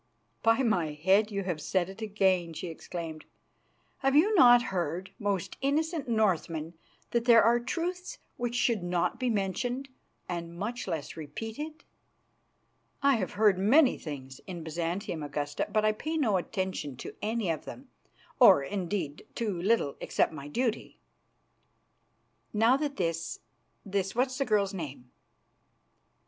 "By my head, you have said it again," she exclaimed. "Have you not heard, most innocent Northman, that there are truths which should not be mentioned and much less repeated?" "I have heard many things in Byzantium, Augusta, but I pay no attention to any of them or, indeed, to little except my duty." "Now that this, this what's the girl's name?"